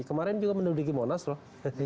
kemarin juga meneludiki monas loh